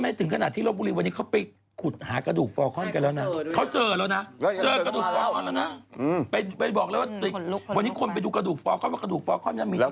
แกจะได้อ่านภาค๒ของบุพเพลย์แล้ว